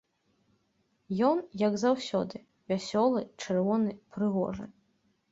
Ён, як заўсёды, вясёлы, чырвоны, прыгожы.